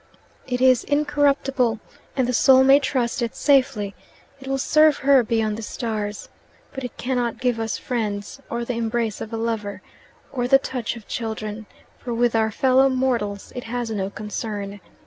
It is incorruptible, and the soul may trust it safely; it will serve her beyond the stars. But it cannot give us friends, or the embrace of a lover, or the touch of children, for with our fellow mortals it has no concern.